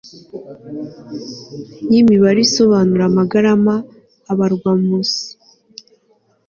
y'imibare isobanura amagarama, abarwa mu s